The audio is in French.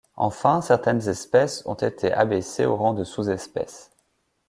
Enfin certaines espèces ont été abaissées au rang de sous-espèces.